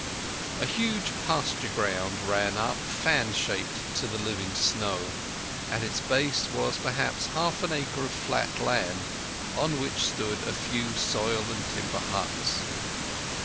A huge pasture ground ran up fan shaped to the living snow. At its base was perhaps half an acre of flat land, on which stood a few soil and timber huts.